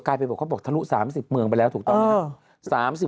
กลายไปก็บอกทะลุ๓๐เงินไปแล้วถูกต้อง